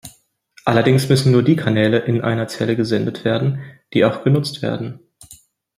Allerdings müssen nur die Kanäle in einer Zelle gesendet werden, die auch genutzt werden.